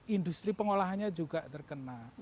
industri pengolahannya juga terguna